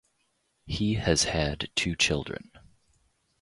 He has had two children.